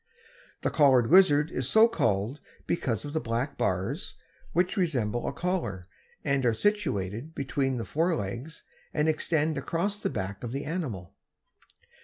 The Collared Lizard is so called because of the black bars, which resemble a collar, and are situated between the fore legs and extend across the back of the animal.